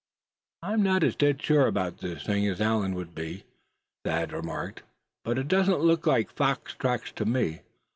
"I'm not as dead sure about this thing as Allan would be," Thad remarked; "but it doesn't look like fox tracks to me.